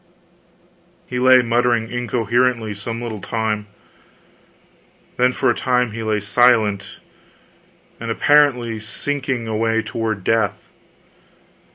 He lay muttering incoherently some little time; then for a time he lay silent, and apparently sinking away toward death.